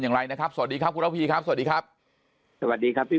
อย่างไรนะครับสวัสดีครับคุณระพีครับสวัสดีครับสวัสดีครับพี่